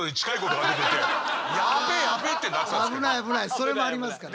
それもありますから。